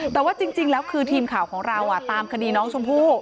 แต่ว่าจริงแล้วคือทีมข่าวของเราตามคดีน้องชมพู่